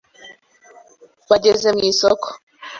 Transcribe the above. Bageze mu isoko